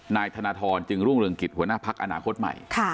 นายธนทรจึงรุ่งเรืองกิจหัวหน้าพักอนาคตใหม่